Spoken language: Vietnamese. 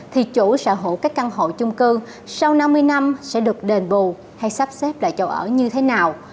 thì chủ sở hữu các căn hộ chung cư sau năm mươi năm sẽ được đền bù hay sắp xếp lại chỗ ở như thế nào